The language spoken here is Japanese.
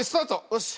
よし。